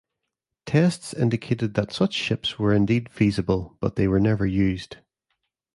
Tests indicated that such ships were indeed feasible, but they were never used.